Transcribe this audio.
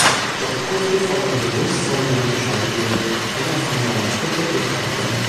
Doch kurz bevor sein Bewusstsein gleichgeschaltet wird, kann er von seiner Truppe befreit werden.